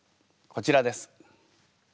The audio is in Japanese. こちらです。